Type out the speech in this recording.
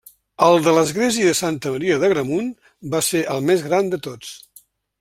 El de l’església de Santa Maria d’Agramunt va ser el més gran de tots.